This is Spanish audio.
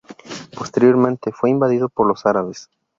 Posteriormente fue invadido por los árabes.